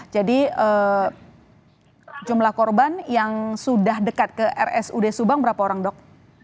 jadi jumlah korban yang sudah dekat ke rsud subang berapa orang dok